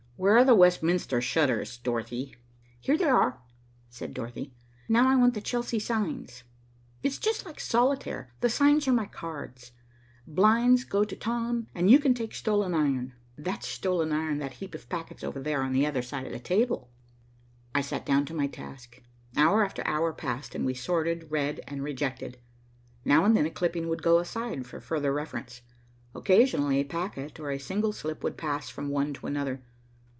"Where are the Westminster shutters, Dorothy?" "Here they are," said Dorothy. "Now I want the Chelsea signs. It's just like solitaire. The signs are my cards. The blinds go to Tom, and you can take stolen iron. That's stolen iron, that heap of packets over on the other side of the table." I sat down to my task. Hour after hour passed, and we sorted, read, and rejected. Now and then a clipping would go aside for further reference. Occasionally a packet or a single slip would pass from one to another.